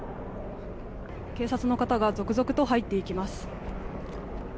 警察の方が続々と入っていきます。